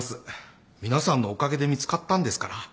皆さんのおかげで見つかったんですから。